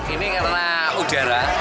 ini karena udara